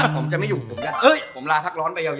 ผมจะไม่อยู่ผมนะผมลาพักร้อนไปยาว